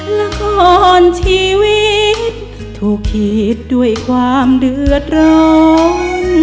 ละครชีวิตถูกขีดด้วยความเดือดร้อน